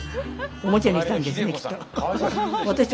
おもちゃにしたんですねきっと。